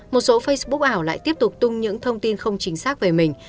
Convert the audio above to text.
một số facebook ảo lại tiếp tục tung những thông tin không chính xác về mình